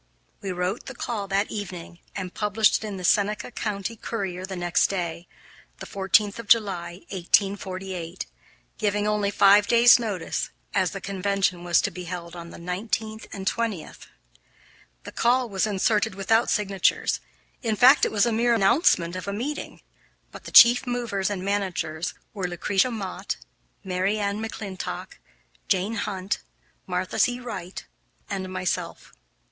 We wrote the call that evening and published it in the Seneca County Courier the next day, the 14th of July, 1848, giving only five days' notice, as the convention was to be held on the 19th and 20th. The call was inserted without signatures, in fact it was a mere announcement of a meeting, but the chief movers and managers were Lucretia Mott, Mary Ann McClintock, Jane Hunt, Martha C. Wright, and myself.